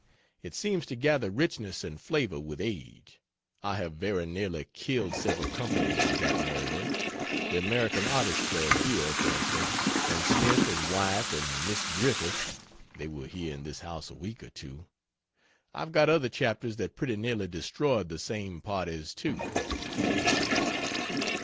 It seems to gather richness and flavor with age. I have very nearly killed several companies with that narrative, the American Artists Club, here, for instance, and Smith and wife and Miss Griffith (they were here in this house a week or two.) I've got other chapters that pretty nearly destroyed the same parties, too.